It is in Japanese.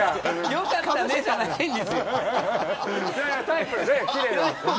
よかったねじゃないですよ。